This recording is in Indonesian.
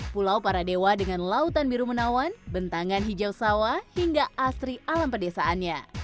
pulau para dewa dengan lautan biru menawan bentangan hijau sawah hingga asri alam pedesaannya